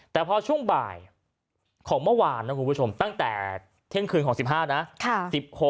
แต่พอช่วงบ่ายของเมื่อวานนะคุณผู้ชมตั้งแต่เที่ยงคืนของ๑๕นะ